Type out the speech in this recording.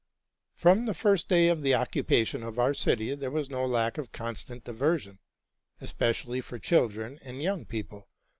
From the first day of the occupation of our city, there was no lack of constant diversion, especially for children and young people.